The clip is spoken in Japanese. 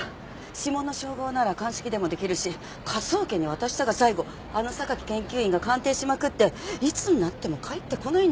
指紋の照合なら鑑識でもできるし科捜研に渡したが最後あの榊研究員が鑑定しまくっていつになっても返ってこないんだから。